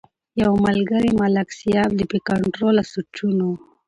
يو ملکري ملک سياف د بې کنټروله سوچونو